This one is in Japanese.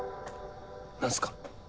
何すか？